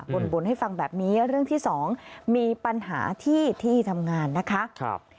บ่นให้ฟังแบบนี้เรื่องที่สองมีปัญหาที่ที่ทำงานนะคะ